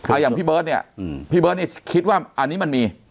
อย่างพี่เบิร์ตเนี่ยพี่เบิร์ตนี่คิดว่าอันนี้มันมี